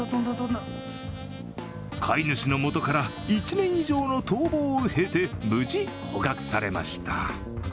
飼い主のもとから１年以上の逃亡を経て、無事、捕獲されました。